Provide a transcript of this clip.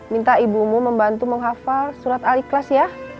minta ibumu membantu menghafal surat aliklas ya